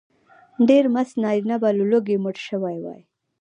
ډېر مست نارینه به له لوږې مړه شوي وای.